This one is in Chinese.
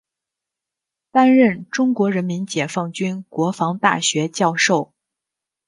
担任中国人民解放军国防大学教授。